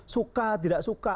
suka tidak suka